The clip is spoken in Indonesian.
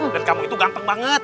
dan kamu itu ganteng banget